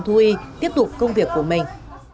thu y tiếp tục công việc của mình